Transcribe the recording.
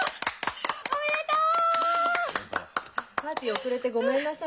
おめでとう！